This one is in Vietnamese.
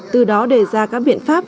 từ đó đề ra các biện pháp